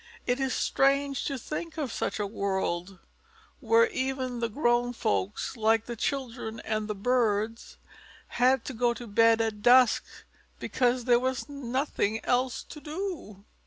It is strange to think of such a world where even the grown folks, like the children and the birds, had to go to bed at dusk, because there was nothing else to do.